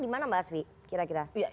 di mana mbak asfi kira kira